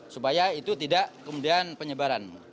supaya itu tidak kemudian penyebaran